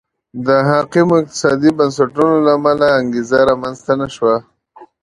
د حاکمو اقتصادي بنسټونو له امله انګېزه رامنځته نه شوه.